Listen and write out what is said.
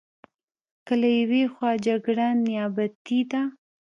که له یوې خوا جګړه نیابتي ده.